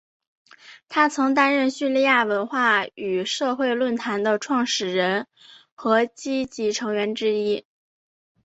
他曾担任叙利亚文化与社会论坛的创始人和积极成员之一。